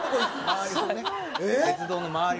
鉄道の周り。